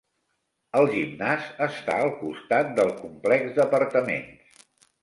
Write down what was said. El gimnàs està al costat del complex d'apartaments.